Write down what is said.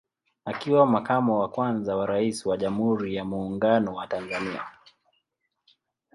Akiwa Makamo wa kwanza wa Rais wa Jamhuri ya Muungano wa Tanzania